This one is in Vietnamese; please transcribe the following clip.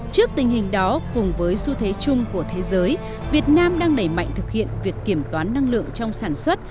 trước tình hình đó cùng với xu thế chung của thế giới việt nam đang đẩy mạnh thực hiện việc kiểm toán năng lượng trong sản xuất